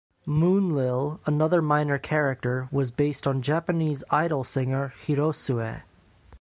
Moonlil, another minor character, was based on Japanese idol singer Hirosue.